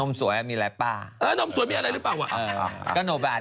เหรอแล้วก็ไม่เราต้องโนบราสีโนบรามันผิดตรงไหน